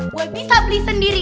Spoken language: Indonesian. gue bisa beli sendiri